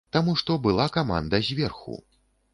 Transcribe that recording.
Таму што была каманда зверху.